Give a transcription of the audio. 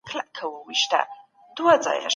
هارون حکیمی